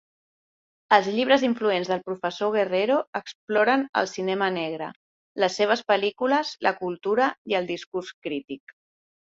Els llibres influents del professor Guerrero exploren el cinema negre, les seves pel·lícules, la cultura i el discurs crític.